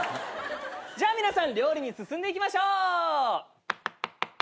じゃあ皆さん料理に進んでいきましょう。